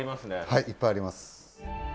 はいいっぱいあります。